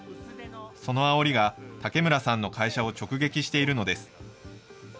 そのあおりが武村さんの会社を直撃しているのです。